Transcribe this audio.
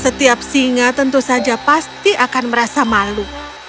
setiap singa tentu saja pasti akan merasa malu